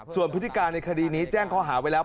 ส่วนพฤติการในคดีนี้แจ้งข้อหาไว้แล้ว